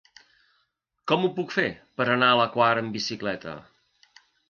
Com ho puc fer per anar a la Quar amb bicicleta?